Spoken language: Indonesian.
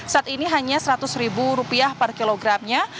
saat ini hanya rp seratus per kilogramnya